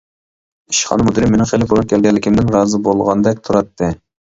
ئىشخانا مۇدىرى مېنىڭ خېلى بۇرۇن كەلگەنلىكىمدىن رازى بولغاندەك تۇراتتى.